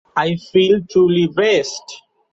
I feel truly blessed.